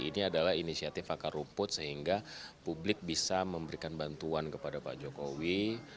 ini adalah inisiatif akar rumput sehingga publik bisa memberikan bantuan kepada pak jokowi